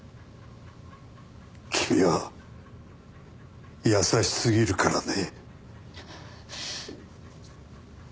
君は優しすぎるからね。